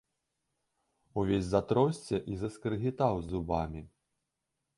Увесь затросся і заскрыгітаў зубамі.